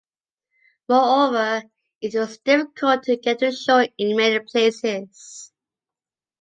Moreover, it was difficult to get to shore in many places.